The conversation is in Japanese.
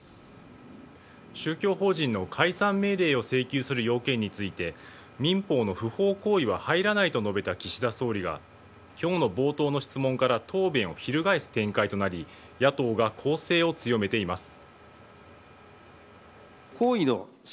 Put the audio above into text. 宗教法人の解散命令を請求する要件について民法の不法行為は入らないと述べた岸田総理が今日の冒頭の質問から答弁を翻す展開となり野党が攻勢を強めています。